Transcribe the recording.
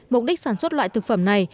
mục đích sản xuất loại thực phẩm này